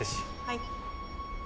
はい。